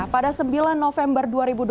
pada sembilan november dua ribu dua puluh